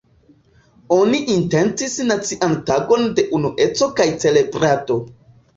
Oni intencis nacian tagon de unueco kaj celebrado.